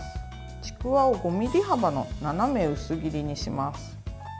ちくわを５ｍｍ幅の斜め薄切りにします。